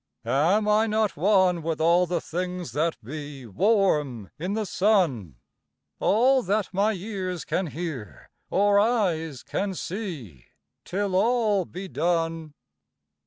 Am I not one with all the things that be Warm in the sun? All that my ears can hear, or eyes can see, Till all be done.